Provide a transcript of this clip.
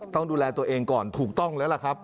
ต้องดูแลตัวเองก่อนถูกต้องแล้วล่ะครับ